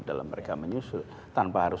dalam mereka menyusul tanpa harus